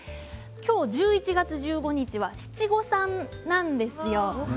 今日１１月１５日は七五三なんですよ。